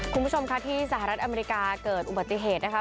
คุณผู้ชมค่ะที่สหรัฐอเมริกาเกิดอุบัติเหตุนะคะ